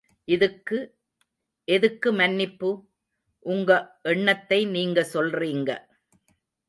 இதுக்கு எதுக்கு மன்னிப்பு? உங்க எண்ணத்தை நீங்க சொல்றீங்க.